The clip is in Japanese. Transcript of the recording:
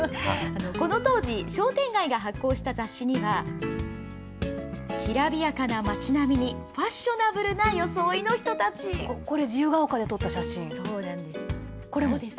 この当時、商店街が発行した雑誌には、きらびやかな街並みに、これ、自由が丘で撮った写真そうなんです。